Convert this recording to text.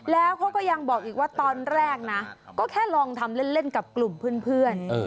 แล้วเขาก็ยังบอกอีกว่าตอนแรกนะก็แค่ลองทำเล่นกับกลุ่มเพื่อน